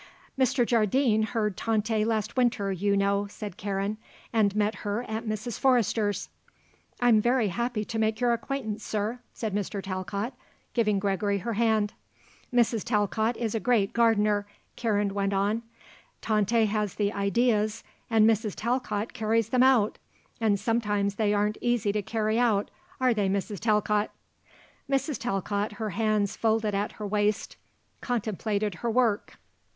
"Mr. Jardine heard Tante last winter, you know," said Karen, "and met her at Mrs. Forrester's." "I'm very happy to make your acquaintance, Sir," said Mrs. Talcott, giving Gregory her hand. "Mrs. Talcott is a great gardener," Karen went on. "Tante has the ideas and Mrs. Talcott carries them out. And sometimes they aren't easy to carry out, are they, Mrs. Talcott!" Mrs. Talcott, her hands folded at her waist, contemplated her work.